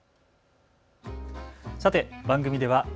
さて番組では＃